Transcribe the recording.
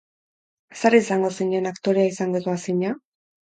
Zer izango zinen aktorea izango ez bazina?